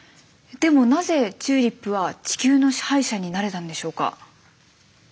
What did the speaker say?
でもなぜチューリップは地球の支配者になれたんでしょうか。